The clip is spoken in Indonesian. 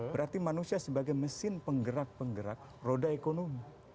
berarti manusia sebagai mesin penggerak penggerak roda ekonomi